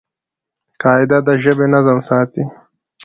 قاعده د ژبي نظم ساتي.